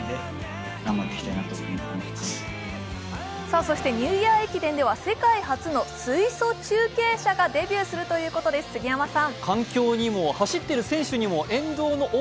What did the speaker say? そしてニューイヤー駅伝では世界初の水素中継車がデビューするということで杉山さん。